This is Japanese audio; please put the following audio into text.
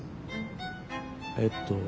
えっと。